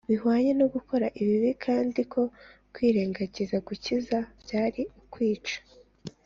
bihwanye no gukora ibibi; kandi ko kwirengagiza gukiza byari ukwica